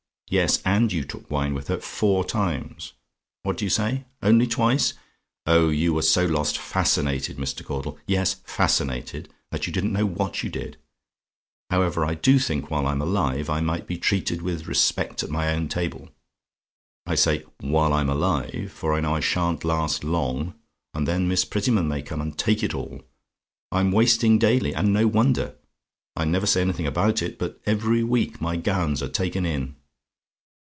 Yes; and you took wine with her four times. What do you say? "ONLY TWICE? "Oh, you were so lost fascinated, Mr. Caudle; yes, fascinated that you didn't know what you did. However, I do think while I'm alive I might be treated with respect at my own table. I say, while I'm alive; for I know I sha'n't last long, and then Miss Prettyman may come and take it all. I'm wasting daily, and no wonder. I never say anything about it, but every week my gowns are taken in.